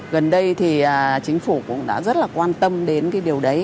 gần đây thì chính phủ cũng đã rất là quan tâm đến cái điều đấy